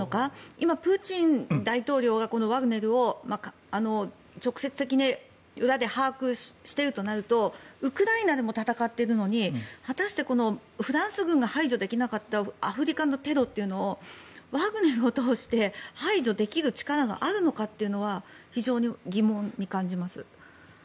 今、プーチン大統領がこのワグネルを直接的に裏で把握しているとなるとウクライナでも戦っているのに果たしてフランス軍が排除できなかったアフリカのテロというのをワグネルを通して排除できる力があるのかというのは非常に疑問に感じます。